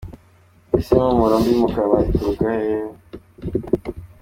Ese impumuro mbi mu kanwa ituruka hehe?.